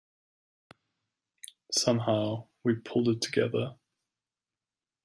Somehow, we pulled it together.